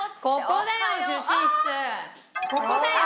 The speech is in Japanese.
ここだよ。